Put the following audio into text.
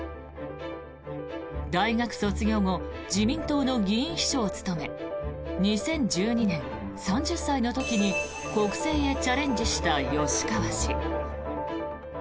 大学卒業後自民党の議員秘書を務め２０１２年、３０歳の時に国政へチャレンジした吉川氏。